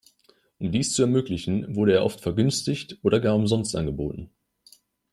Um dies zu ermöglichen, wurde er oft vergünstigt oder gar umsonst angeboten.